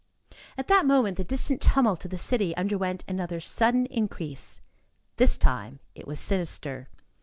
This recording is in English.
At that moment, the distant tumult of the city underwent another sudden increase. This time it was sinister.